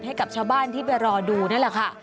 ให้กับชาวบ้านที่ไปรอดูนั่นแหละค่ะ